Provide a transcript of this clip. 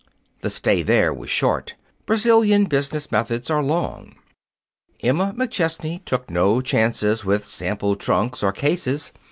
The stay there was short. Brazilian business methods are long. Emma McChesney took no chances with sample trunks or cases.